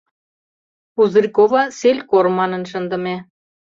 Пузырькова — селькор» манын, шындыме.